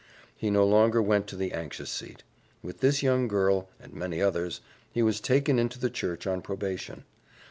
He no longer went to the anxious seat. With this young girl, and many others, he was taken into the church on probation.